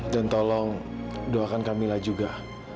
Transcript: dan tolong doakan camilla juga